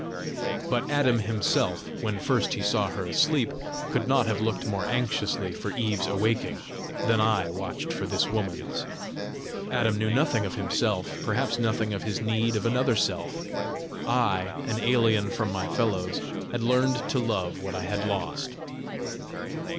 But Adam himself, when first he saw her asleep, could not have looked more anxiously for Eve's awaking than I watched for this woman's. Adam knew nothing of himself, perhaps nothing of his need of another self; I, an alien from my fellows, had learned to love what I had lost!